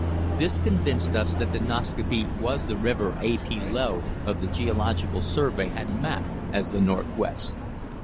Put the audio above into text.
This convinced us that the Nascaupee was the river A. P. Low, of the Geological Survey, had mapped as the Northwest.